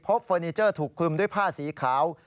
เฟอร์นิเจอร์ถูกคลุมด้วยผ้าสีขาว